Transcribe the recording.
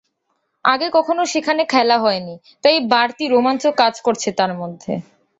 আগে কখনো সেখানে খেলা হয়নি, তাই বাড়তি রোমাঞ্চ কাজ করছে তাঁর মধ্যে।